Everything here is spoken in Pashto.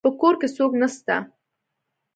په کور کي څوک نسته